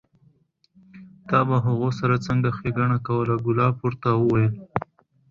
تا به هغو سره څنګه ښېګڼه کوله؟ کلاب ورته وویل: